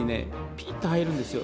ピッと入るんですよ